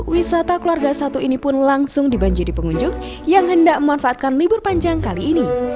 wisata keluarga satu ini pun langsung dibanjiri pengunjung yang hendak memanfaatkan libur panjang kali ini